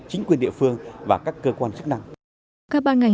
chính quyền địa phương và các cơ quan chức năng